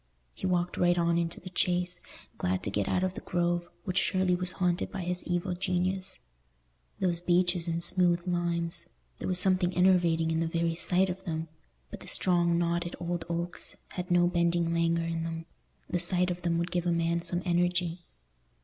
He walked right on into the Chase, glad to get out of the Grove, which surely was haunted by his evil genius. Those beeches and smooth limes—there was something enervating in the very sight of them; but the strong knotted old oaks had no bending languor in them—the sight of them would give a man some energy.